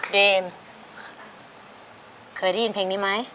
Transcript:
เบรมเคยได้ยินเพลงนี้ไหม